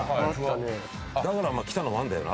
だから来たのもあんだよな。